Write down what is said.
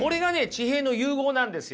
地平の融合なんですよ！